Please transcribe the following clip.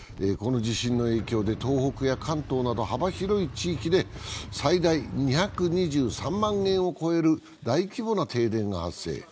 この地震の影響で東北や関東など幅広い地域で最大２２３万軒を超える大規模な停電が発生。